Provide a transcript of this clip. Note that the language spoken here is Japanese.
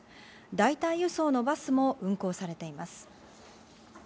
代替輸送のバスも運行されています。